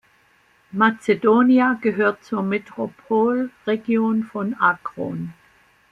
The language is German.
Macedonia gehört zur Metropolregion von Akron.